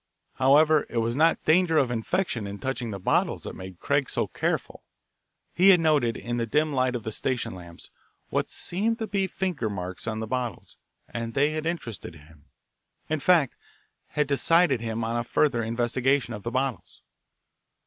However, it was not danger of infection in touching the bottles that made Craig so careful. He had noted, in the dim light of the station lamps, what seemed to be finger marks on the bottles, and they had interested him, in fact, had decided him on a further investigation of the bottles.